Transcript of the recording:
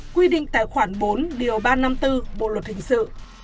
quy định tại khoản bốn điều ba trăm năm mươi bốn bộ luật hình sự